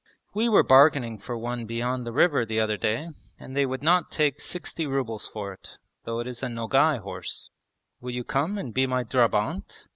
'We were bargaining for one beyond the river the other day and they would not take sixty rubles for it, though it is a Nogay horse.' 'Will you come and be my drabant?'